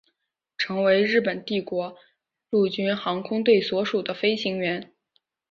成为日本帝国陆军航空队所属的飞行员。